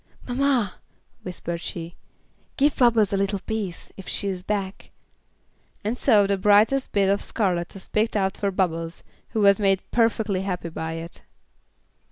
"Mamma," whispered she, "give Bubbles a little piece, if she is black," and so the brightest bit of scarlet was picked out for Bubbles, who was made perfectly happy by it.